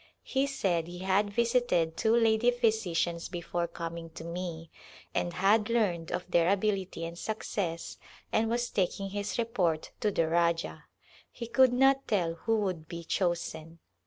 He said he had visited two lady physicians before com ing to me and had learned of their ability and success and was taking his report to the Rajah. He could not tell who would be chosen.